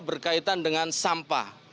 berkaitan dengan sampah